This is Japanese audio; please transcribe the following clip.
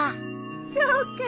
そうかい。